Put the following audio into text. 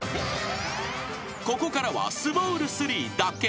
［ここからはスモール３だけ］